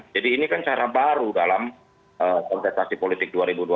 jadi ini kan cara baru dalam konteksasi politik dua ribu dua puluh empat